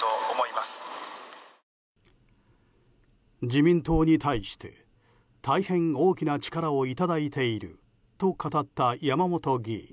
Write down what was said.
自民党に対して大変大きな力をいただいていると語った山本議員。